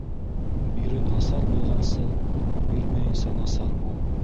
Бирен насар булғансы, бирмәйенсә насар бул.